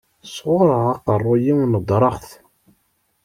Sɣureɣ aqerru-iw nedreɣ-t.